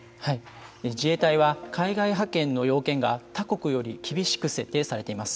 自衛隊は海外派遣の要件が他国より厳しく設定されています。